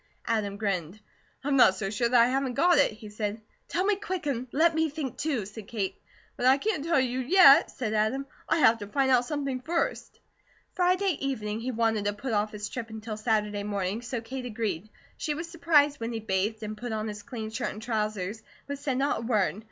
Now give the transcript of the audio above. Adam grinned: "I'm not so sure that I haven't got it," he said. "Tell me quick and let me think, too" said Kate. "But I can't tell you yet," said Adam. "I have to find out something first." Friday evening he wanted to put off his trip until Saturday morning, so Kate agreed. She was surprised when he bathed and put on his clean shirt and trousers, but said not a word.